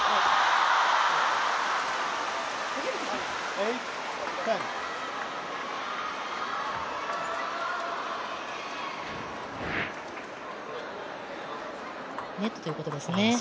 レットということですね